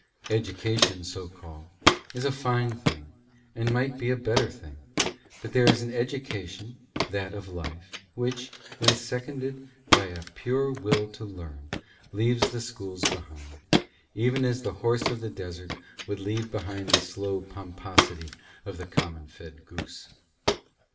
Education, so called, is a fine thing, and might be a better thing; but there is an education, that of life, which, when seconded by a pure will to learn, leaves the schools behind, even as the horse of the desert would leave behind the slow pomposity of the common fed goose.